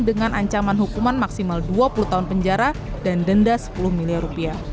dengan ancaman hukuman maksimal dua puluh tahun penjara dan denda sepuluh miliar rupiah